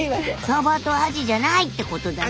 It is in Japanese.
サバとアジじゃないってことだね。